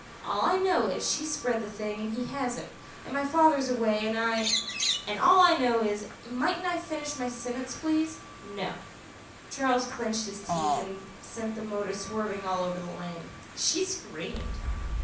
"All I know is, she's spread the thing and he hasn't, and my father's away and I " "And all that I know is " "Might I finish my sentence, please?" "No." Charles clenched his teeth and sent the motor swerving all over the lane. She screamed.